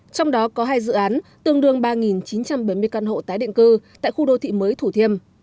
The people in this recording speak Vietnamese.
trong đó có hai dự án tương đương ba chín trăm bảy mươi căn hộ tái định cư tại khu đô thị mới thủ thiêm